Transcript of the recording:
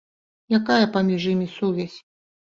Якая паміж імі сувязь?